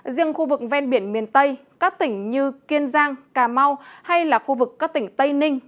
riêng khu vực ven biển miền tây các tỉnh như kiên giang cà mau hay là khu vực các tỉnh tây ninh